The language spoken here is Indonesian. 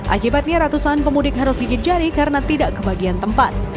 akibatnya ratusan pemudik harus gigit jari karena tidak kebagian tempat